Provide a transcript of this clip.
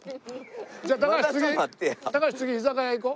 じゃあ高橋次高橋次居酒屋行こう。